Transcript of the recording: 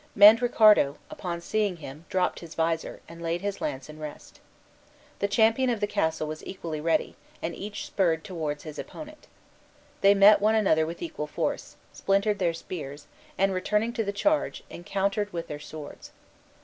Mandricardo, upon seeing him, dropt his visor, and laid his lance in rest. The champion of the castle was equally ready, and each spurred towards his opponent. They met one another with equal force, splintered their spears, and, returning to the charge, encountered with their swords.